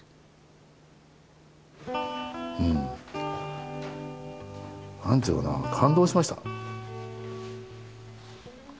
うん何ていうかな感動しました。